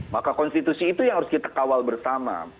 maka konstitusi itu yang harus kita kawal bersama